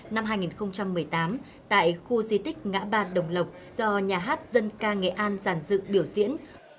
năm hai nghìn một mươi tám tại khu di tích ngã ba đồng lộc do nhà hát dân ca nghệ an giàn dự biểu diễn